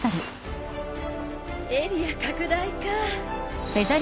エリア拡大かぁ。